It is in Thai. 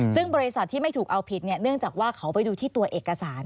ซึ่งบริษัทที่ไม่ถูกเอาผิดเนื่องจากว่าเขาไปดูที่ตัวเอกสาร